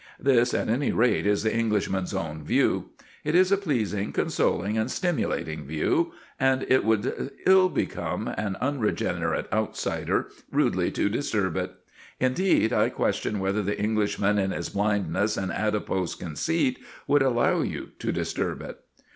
This, at any rate, is the Englishman's own view. It is a pleasing, consoling, and stimulating view, and it would ill become an unregenerate outsider rudely to disturb it. Indeed, I question whether the Englishman in his blindness and adipose conceit would allow you to disturb it.